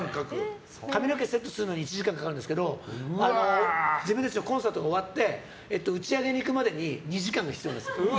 髪の毛セットするのに１時間かかるんですけど自分たちのコンサートが終わって打ち上げに行くまでに２時間が必要なんです。